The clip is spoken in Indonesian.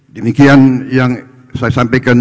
demikian yang saya sampaikan